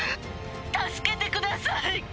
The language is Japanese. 助けてください。